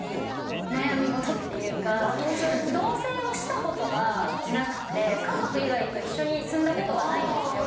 同棲をしたことがなくて家族以外と一緒に住んだことがないんですよ。